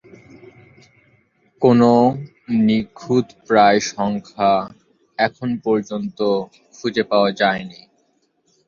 কোনো নিখুঁতপ্রায় সংখ্যা এখন পর্যন্ত খুঁজে পাওয়া যায়নি।